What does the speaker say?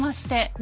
何？